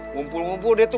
ngumpul ngumpul dia tuh